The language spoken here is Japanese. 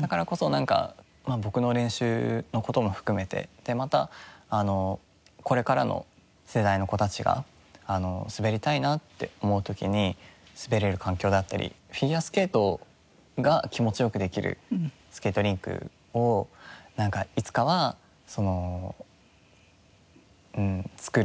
だからこそなんか僕の練習の事も含めてまたこれからの世代の子たちが滑りたいなって思う時に滑れる環境だったりフィギュアスケートが気持ち良くできるスケートリンクをいつかは作るお手伝いをしたいなっていうのは思います。